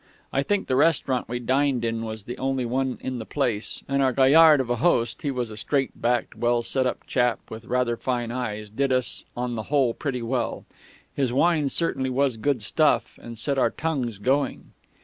I think the restaurant we dined in was the only one in the place, and our gaillard of a host he was a straight backed, well set up chap, with rather fine eyes did us on the whole pretty well. His wine certainly was good stuff, and set our tongues going....